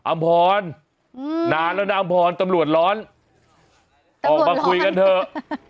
อำพรนานแล้วนะอำพรตำรวจร้อนออกมาคุยกันเถอะ